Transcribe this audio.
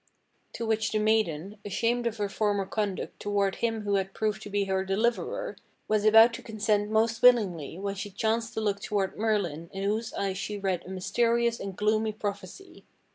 To which the maiden, ashamed of her former conduct toward him who had proved to be her deliverer, was about to consent most willingly when she chanced to look toward Merlin in whose eyes she read a mysterious and gloomy prophecy.